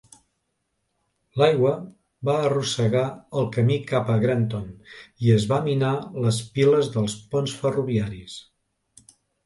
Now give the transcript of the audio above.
L'aigua va arrossegar el camí cap a Granton, i es van minar les piles dels ponts ferroviaris.